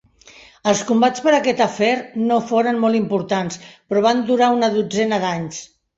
Els combats per aquest afer no foren molt importants, però van durar una dotzena d'anys.